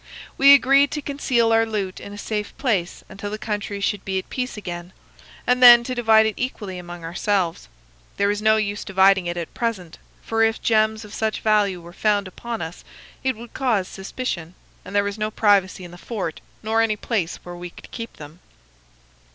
We agreed to conceal our loot in a safe place until the country should be at peace again, and then to divide it equally among ourselves. There was no use dividing it at present, for if gems of such value were found upon us it would cause suspicion, and there was no privacy in the fort nor any place where we could keep them.